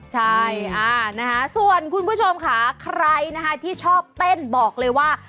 ใช่นะคะส่วนคุณผู้ชมค่ะใครนะคะที่ชอบเต้นบอกเลยว่า